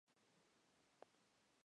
Archivo de escritores platenses